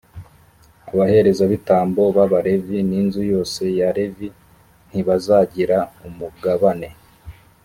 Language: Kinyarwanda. abaherezabitambo b’abalevi n’inzu yose ya levi, ntibazagira umugabane